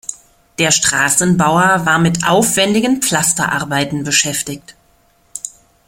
Der Straßenbauer war mit aufwendigen Pflasterarbeiten beschäftigt.